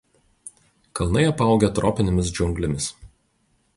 Kalnai apaugę tropinėmis džiunglėmis.